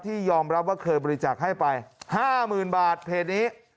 ยอมรับว่าเคยบริจาคให้ไป๕๐๐๐บาทเพจนี้